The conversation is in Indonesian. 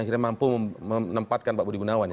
akhirnya mampu menempatkan pak budi gunawan ya